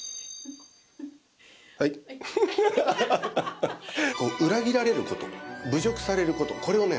はい裏切られること侮辱されることこれをね